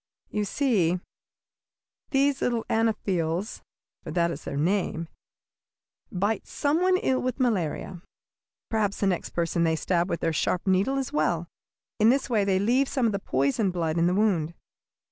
"You see, these little Anopheles, for that is their name, bite some one ill with malaria. Perhaps the next person they stab with their sharp needle is well. In this way they leave some of the poisoned blood in the wound.